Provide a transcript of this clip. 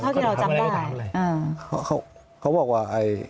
เอาที่เราจำได้